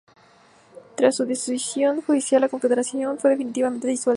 Tras una decisión judicial la Confederación fue definitivamente disuelta.